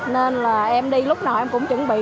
nên là em đi lúc nào em cũng chuẩn bị